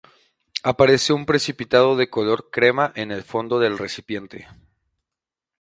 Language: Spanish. Aparece un precipitado de color crema en el fondo del recipiente.